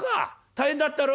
大変だったろ？」。